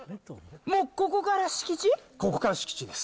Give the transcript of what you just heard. もうここから敷地？